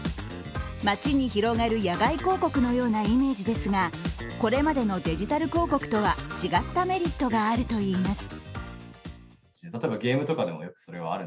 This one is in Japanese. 街に広がる屋外広告のようなイメージですがこれまでのデジタル広告とは違ったメリットがあるといいます。